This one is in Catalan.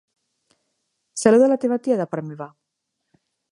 Saluda la teva tia de part meva.